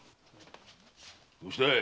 どうしたい？